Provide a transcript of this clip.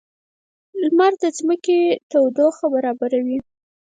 • لمر د ځمکې تودوخه برابروي.